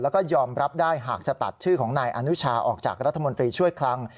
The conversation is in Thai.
แล้วก็ยอมรับได้หากจะตัดชื่อของนายอนุชาออกจากรัฐมนตรีช่วยคลัง